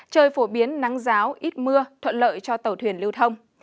trời phổ biến nắng giáo ít mưa thuận lợi cho tàu thuyền lưu thông